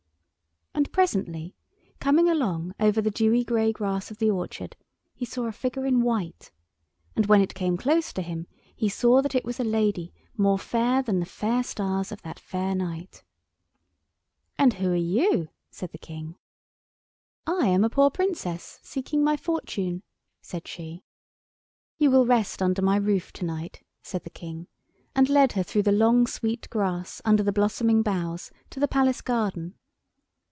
And presently, coming along over the dewy grey grass of the orchard, he saw a figure in white, and when it came close to him he saw that it was a lady more fair than the fair stars of that fair night. "And who are you?" said the King. [Illustration: "POOR BENIGHTED, OPPRESSED PEOPLE, FOLLOW ME!"] "I am a poor Princess seeking my fortune," said she. "You will rest under my roof to night," said the King, and led her through the long sweet grass under the blossoming boughs to the Palace garden.